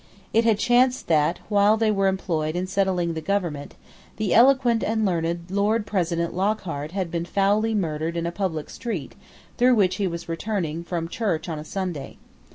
It had chanced that, while they were employed in settling the government, the eloquent and learned Lord President Lockhart had been foully murdered in a public street through which he was returning from church on a Sunday.